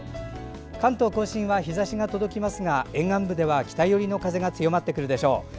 関東・甲信は日ざしが届きますが沿岸部では北寄りの風が強まってくるでしょう。